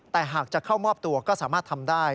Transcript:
แต่หากจะเข้ามอบตัวก็สามารถทำได้